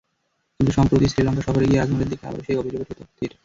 কিন্তু সম্প্রতি শ্রীলঙ্কা সফরে গিয়ে আজমলের দিকে আবারও সেই অভিযোগের তির।